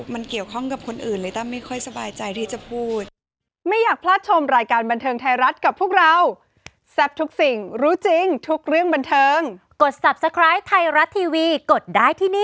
มันเกี่ยวข้องกับคนอื่นเลยตั้มไม่ค่อยสบายใจที่จะพูด